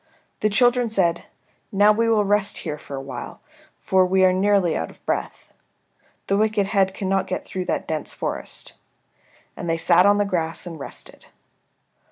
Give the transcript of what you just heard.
The children said, "Now we will rest here for a while, for we are nearly out of breath. The wicked head cannot get through that dense forest." And they sat on the grass and rested.